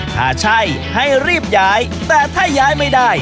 ถ้าใช่ให้รีบย้ายแต่ถ้าย้ายไม่ได้